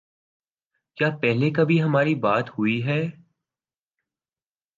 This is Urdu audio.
کیا پہلے کبھی ہماری بات ہوئی ہے